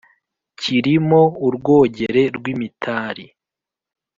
Kiri mo urwogere rw'imitari.